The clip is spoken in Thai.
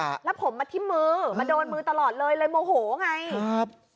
แล้วผมมาทิ้มมือมาโดนมือตลอดเลยเลยโมโหไงครับ